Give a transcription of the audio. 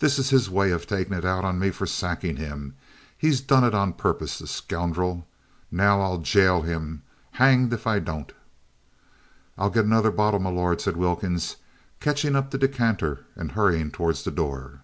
This is his way of taking it out of me for sacking him. He's done it on purpose, the scoundrel! Now I will gaol him! Hanged if I don't!" "I'll get another bottle, m'lord," said Wilkins, catching up the decanter, and hurrying towards the door.